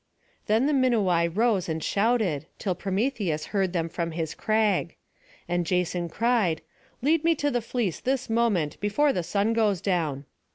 Then the Minuai rose and shouted, till Prometheus heard them from his crag. And Jason cried: "Lead me to the fleece this moment, before the sun goes down."